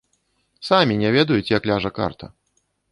Самі не ведаюць, як ляжа карта.